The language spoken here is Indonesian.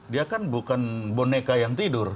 dia kan bukan boneka yang tidur